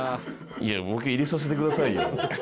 いやボケ入れさせてくださいよ。